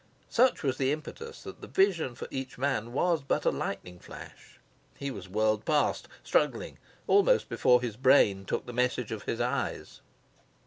Such was the impetus that the vision for each man was but a lightning flash: he was whirled past, struggling, almost before his brain took the message of his eyes.